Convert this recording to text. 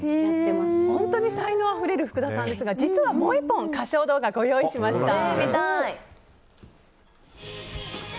本当に才能あふれる福田さんですが実は、もう１本歌唱動画、ご用意しました。